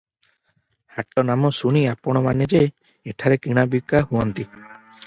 ହାଟ ନାମ ଶୁଣି ଆପଣମାନେ ଯେ, ଏଠାରେ କିଣା ବିକାହୁଅନ୍ତି ।